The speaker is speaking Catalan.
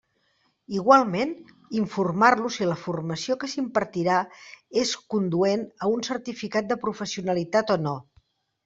Igualment, informar-lo si la formació que s'impartirà és conduent a un certificat de professionalitat o no.